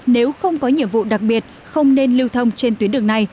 nếu không có nhiệm vụ đặc biệt không nên lưu thông trên tuyến đường này